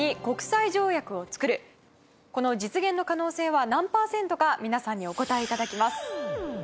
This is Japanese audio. この実現の可能性は何パーセントか皆さんにお答え頂きます。